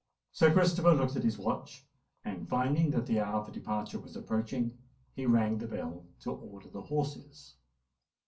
Sir Christopher looked at his watch; and, finding that the hour for departure was approaching, he rang the bell to order the horses.